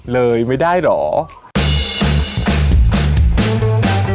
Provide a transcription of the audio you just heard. เลยไม่ได้เหรอ